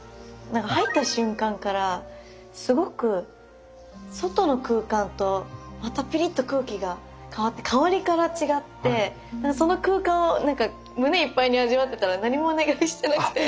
何か入った瞬間からすごく外の空間とまたピリッと空気が変わって香りから違ってその空間を胸いっぱいに味わってたら何もお願いしてなくて。